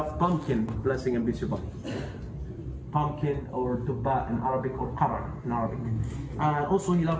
bumbkin atau dubba dalam bahasa arab